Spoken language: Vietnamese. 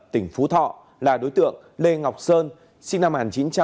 tỉnh phú thọ là đối tượng lê ngọc sơn sinh năm một nghìn chín trăm chín mươi ba